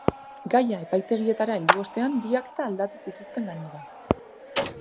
Gaia epategietara heldu ostean, bi akta aldatu zituzten gainera.